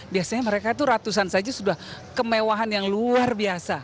biasanya mereka itu ratusan saja sudah kemewahan yang luar biasa